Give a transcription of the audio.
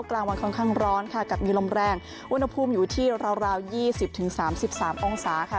กลางวันค่อนข้างร้อนค่ะกับมีลมแรงอุณหภูมิอยู่ที่ราวราว๒๐๓๓องศาค่ะ